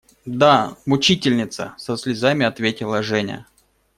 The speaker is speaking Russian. Да… мучительница! – со слезами ответила Женя.